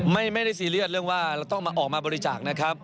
ไม่ได้ซีเรียสเรื่องว่าเราต้องมาออกมาบริจาคนะครับ